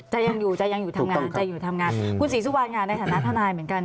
จะยังอยู่จะยังอยู่ทำงานคุณศรีสุวรรณงานในฐานะทนายเหมือนกัน